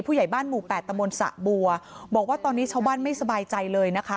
ผู้ใหญ่บ้านหมู่แปดตะมนต์สะบัวบอกว่าตอนนี้ชาวบ้านไม่สบายใจเลยนะคะ